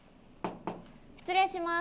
失礼します。